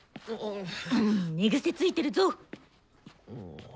寝癖ついてるぞ！